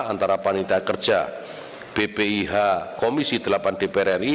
antara panitia kerja bpih komisi delapan dpr ri